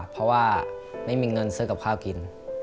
เพราะว่าไม่มีเงินซื้อกับข้าวกิน